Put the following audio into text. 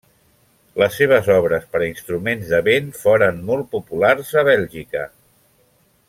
Les seves obres per a instruments de vent foren molt populars a Bèlgica.